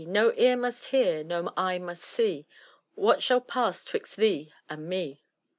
No ear must hear, no eye must see. What shall pass 'twixt thee and me.''